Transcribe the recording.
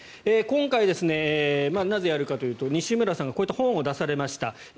今回、なぜやるかというと西村さんがこういった本を出されました。